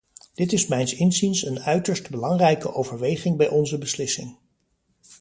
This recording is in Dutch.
Dit is mijns inziens een uiterst belangrijke overweging bij onze beslissing.